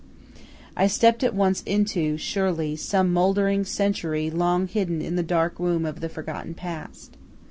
I stepped at once into, surely, some moldering century long hidden in the dark womb of the forgotten past.